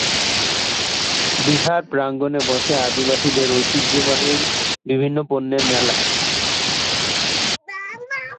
বিহার-প্রাঙ্গনে বসে আদিবাসীদের ঐতিহ্যবাহী বিভিন্ন পণ্যের মেলা।